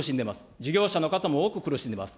事業者の方も多く苦しんでます。